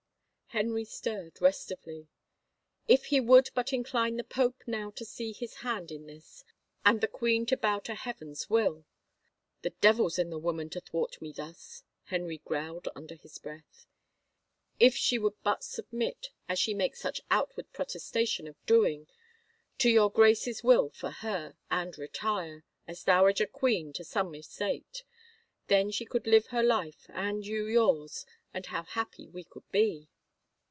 Henry stirred restively. " If He would but incline the pope now to see His hand in this, and the queen to bow to Heaven's will 1 "" The devil's in the woman to thwart me thus," Henry growled under his breath. "If she would but submit — as she makes such outward protestation of doing 1 — to your Grace's will for her, i6i THE FAVOR OF KINGS and retire, as Queen Dowager, to some estate. Then she could live her life and you yours — and how happy we could be